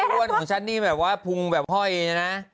อ้วนของฉันนี่แบบว่าพุงแบบห้อยนะ